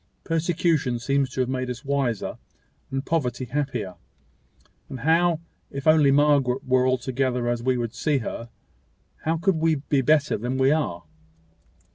Persecution seems to have made us wiser, and poverty happier; and how, if only Margaret were altogether as we would see her, how could we be better than we are?"